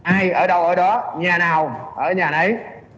ai ở đâu ở đó nhà nào ở nhà ấy